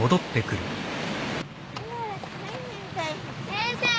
先生！